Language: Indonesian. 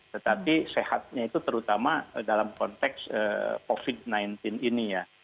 tetapi sehatnya itu terutama dalam konteks covid sembilan belas ini ya